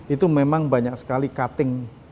itu memang banyak sekali cutting